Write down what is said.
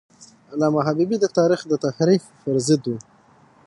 علامه حبیبي د تاریخ د تحریف پر ضد و.